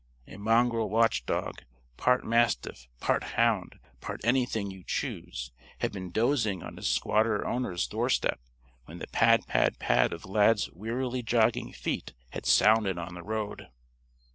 A mongrel watchdog part mastiff, part hound, part anything you choose had been dozing on his squatter owner's doorstep when the pad pad pad of Lad's wearily jogging feet had sounded on the road.